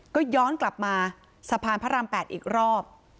ก็ย้อนกลับมาสะพานพระราม๘อีกรอบ